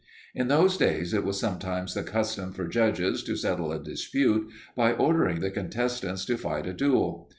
"In those days it was sometimes the custom for judges to settle a dispute by ordering the contestants to fight a duel.